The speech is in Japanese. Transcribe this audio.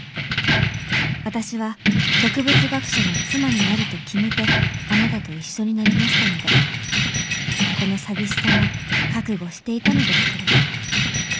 私は植物学者の妻になると決めてあなたと一緒になりましたのでこの寂しさも覚悟していたのですけれど。